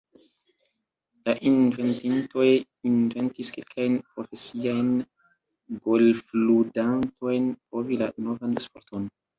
La inventintoj invitis kelkajn profesiajn golfludantojn provi la novan sporton.